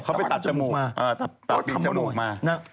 เขาไปตัดจมูกมาเตาร์ทผิดจมูกมา